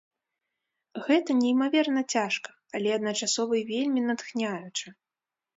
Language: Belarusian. Гэта неймаверна цяжка, але адначасова і вельмі натхняюча.